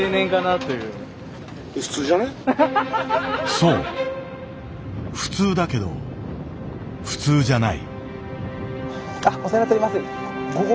そう普通だけど普通じゃない。